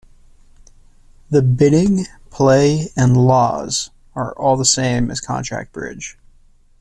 The bidding, play and laws are the same as contract bridge.